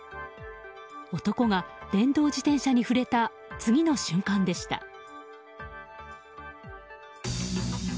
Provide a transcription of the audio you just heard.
男が、電動自転車に触れた次の瞬間でした。